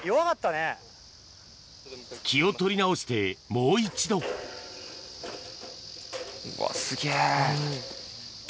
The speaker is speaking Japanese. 気を取り直してもう一度うわすげぇ。